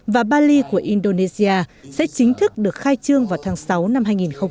và bali của indonesia sẽ chính thức được khai trương vào tháng sáu năm hai nghìn một mươi chín